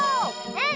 うん！